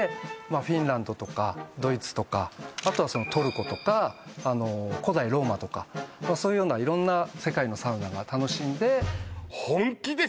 フィンランドとかドイツとかあとはトルコとか古代ローマとかそういうような色んな世界のサウナが楽しんでいええっでも